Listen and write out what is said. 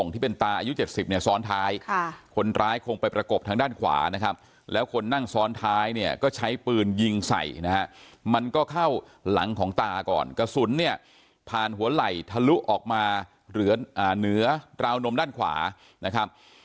ตอนท้ายเนี่ยก็ใช้ปืนยิงใส่นะฮะมันก็เข้าหลังของตาก่อนกระสุนเนี่ยผ่านหัวไหล่ทะลุออกมาเหลือเหนือราวนมด้านขวานะครับ